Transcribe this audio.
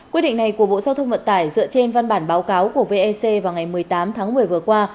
quyết định này của bộ giao thông vận tải dựa trên văn bản báo cáo của vec vào ngày một mươi tám tháng một mươi vừa qua